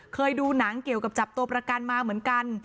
เคยดูหนังเกี่ยวกับจับตัวประกันมาเหมือนกัน